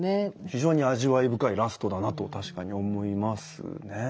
非常に味わい深いラストだなと確かに思いますね。